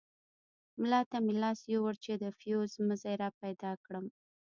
ملا ته مې لاس يووړ چې د فيوز مزي راپيدا کړم.